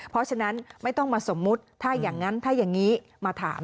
เพราะฉะนั้นไม่ต้องมาสมมุติถ้าอย่างนั้นถ้าอย่างนี้มาถาม